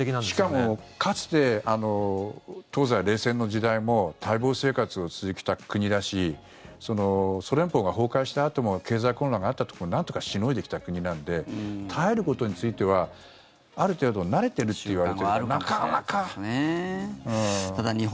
しかもかつて東西冷戦の時代も耐乏生活を続けた国だしソ連邦が崩壊したあとも経済混乱があったところをなんとかしのいできた国なので耐えることについてはある程度慣れているって言われているけど、なかなか。